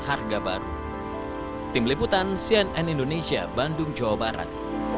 harga baru tim liputan cnn indonesia bandung jawa barat